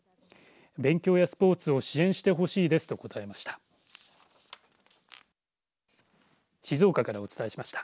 勉強やスポーツを支援してほしいですと答えました。